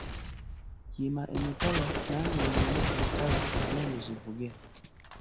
Yima emitala nange nnyimi emitala emmundu zivuge.